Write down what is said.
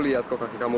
aduh simpen tempatmu